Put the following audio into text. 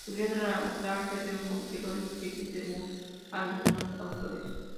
Podría tratarse de un complejo de especies, según algunos autores.